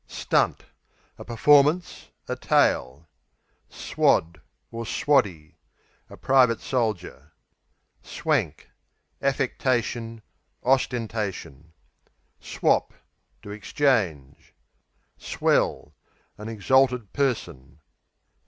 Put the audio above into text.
Stunt A performance; a tale. Swad, Swaddy A private soldier. Swank Affectation; ostentation. Swap To exchange. Swell An exalted person.